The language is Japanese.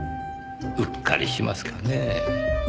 うっかりしますかねぇ。